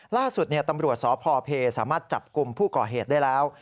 ล่าสุดตำรวจสพเพสามารถจับกลุ่มผู้ก่อเหตุได้แล้ว